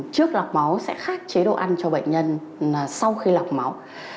trước lọc máu sẽ khác chế độ ăn cho bệnh nhân sau khi lọc máu